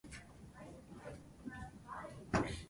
それから大急ぎで扉をあけますと、